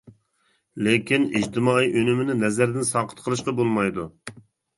لېكىن ئىجتىمائىي ئۈنۈمنى نەزەردىن ساقىت قىلىشقىمۇ بولمايدۇ.